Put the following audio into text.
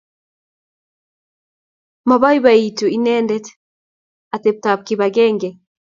maabaibaiji inendet atebtap kibagenge